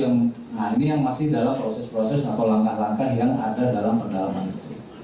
nah ini yang masih dalam proses proses atau langkah langkah yang ada dalam pendalaman itu